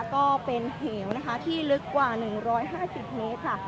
ก็เป็นเหวนะคะที่ลึกกว่าหนึ่งร้อยห้าสิบเมตรค่ะ